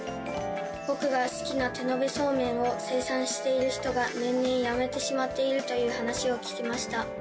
僕が好きな手延べそうめんを生産している人が年々やめてしまっているという話を聞きました